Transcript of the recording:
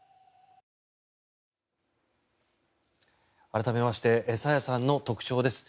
改めまして朝芽さんの特徴です。